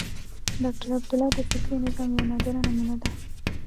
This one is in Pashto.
ډاکټر عبدالله د فکري نظام یوه نادره نمونه ده.